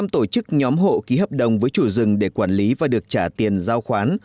năm tổ chức nhóm hộ ký hợp đồng với chủ rừng để quản lý và được trả tiền giao khoán